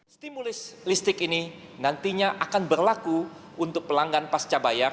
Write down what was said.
stimulus listrik ini nantinya akan berlaku untuk pelanggan pasca bayar